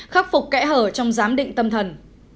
khắc phục kẽ hở trong giám định tâm thần